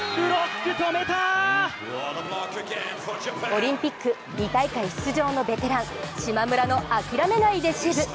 オリンピック２大会出場のベテラン島村の諦めないレシーブ。